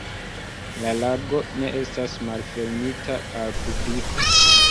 La lago ne estas malfermita al publiko.